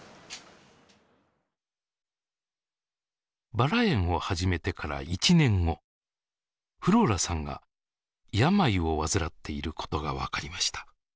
薔薇園を始めてから１年後フローラさんが病を患っていることが分かりました。